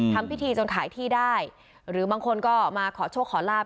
ทำพิธีจนขายที่ได้หรือบางคนก็มาขอโชคขอลาบ